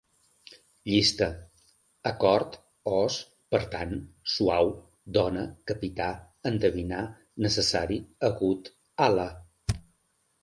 Llista: acord, os, per tant, suau, dona, capità, endevinar, necessari, agut, ala